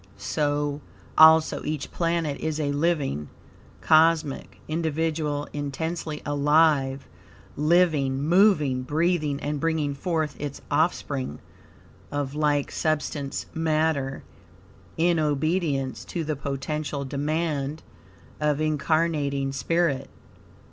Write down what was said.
So, also, each planet is a living, cosmic individual, intensely alive; living, moving, breathing, and bringing forth its offspring of like substance, matter, in obedience to the potential demand of incarnating spirit.